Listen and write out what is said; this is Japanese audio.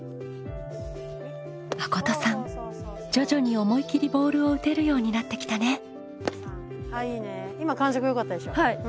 まことさん徐々に思い切りボールを打てるようになってきたね。